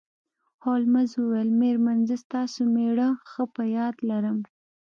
هولمز وویل میرمن زه ستاسو میړه ښه په یاد لرم